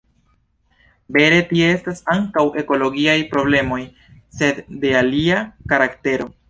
Vere, tie estas ankaŭ ekologiaj problemoj, sed de alia karaktero.